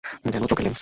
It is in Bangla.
যেমনঃ চোখের লেন্স।